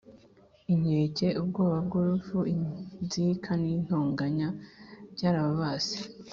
inkeke, ubwoba bw’urupfu, inzika n’intonganya byarababase